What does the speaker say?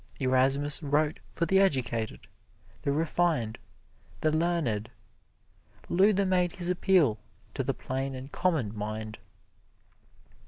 Erasmus wrote for the educated, the refined, the learned Luther made his appeal to the plain and common mind.